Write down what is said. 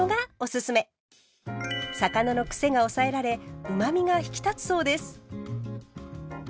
魚のクセが抑えられうまみが引き立つそうです。